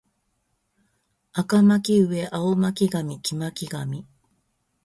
赤巻上青巻紙黄巻紙